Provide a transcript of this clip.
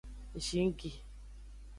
Zingi.